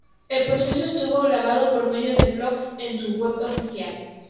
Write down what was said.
El proceso estuvo grabado por medio de blogs en su web oficial.